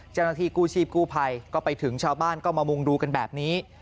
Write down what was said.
เจ้าหน้าที่กู้ชีพกู้ภัยก็ไปถึงชาวบ้านก็มามุงดูกันแบบนี้